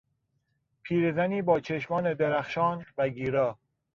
پیرزنی با چشمان درخشان و گیرا